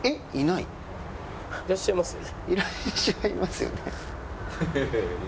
「いらっしゃいますよね？」。